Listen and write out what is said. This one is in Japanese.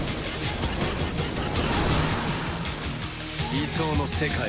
理想の世界を。